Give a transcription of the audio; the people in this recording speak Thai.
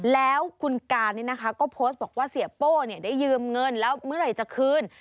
แล้วคุณการก็โพสต์บอกว่าเสียโป้ได้ยืมเงินแล้วเมื่อไหร่จะคืน